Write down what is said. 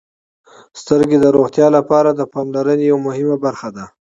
• سترګې د روغتیا لپاره د پاملرنې یوه مهمه برخه ده.